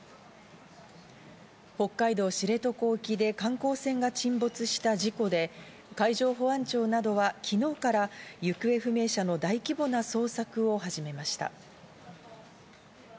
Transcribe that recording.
北海道知床沖で観光船が沈没した事故で、海上保安庁などは昨日から行方不明者の大規模な捜索を始めました。